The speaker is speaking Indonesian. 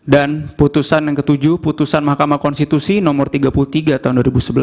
dan putusan yang ketujuh putusan mahkamah konstitusi nomor tiga puluh tiga php tahun dua ribu sebelas